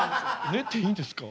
ねていいんですか？